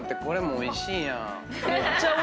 これもおいしいやん。